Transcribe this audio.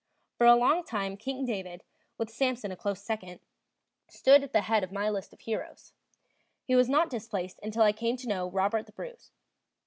For a long time King David, with Samson a close second, stood at the head of my list of heroes; he was not displaced until I came to know Robert the Bruce.